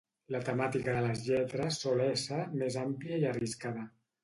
La temàtica de les lletres sol ésser més àmplia i arriscada.